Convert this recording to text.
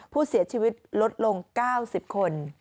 ผู้เสียชีวิตลดลง๙๐คน